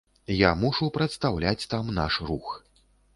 Я мушу прадстаўляць там наш рух!